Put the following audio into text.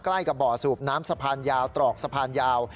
ใกล้กับบ่อสูบน้ำสะพานยาวตรอกสะพานยาว